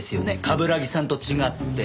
冠城さんと違って。